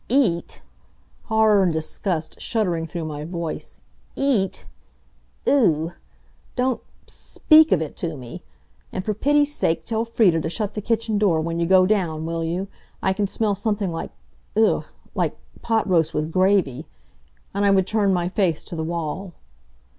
"Eat!" horror and disgust shuddering through my voice "Eat! Ugh! Don't s s speak of it to me. And for pity's sake tell Frieda to shut the kitchen door when you go down, will you? I can smell something like ugh! like pot roast, with gravy!" And I would turn my face to the wall.